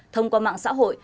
thông qua mạng xã hội